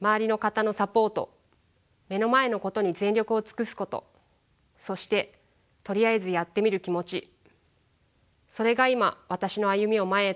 周りの方のサポート目の前のことに全力を尽くすことそしてとりあえずやってみる気持ちそれが今私の歩みを前へと押し進めているのかもしれません。